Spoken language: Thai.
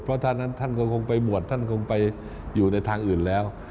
เพราะถ้านั้นท่านก็คงไปบวชท่านคงไปอยู่ในทางอื่นแล้ว